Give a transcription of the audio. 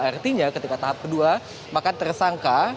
artinya ketika tahap kedua maka tersangka